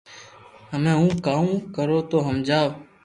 ھمي ھون ڪاو ڪرو تو ھمجاو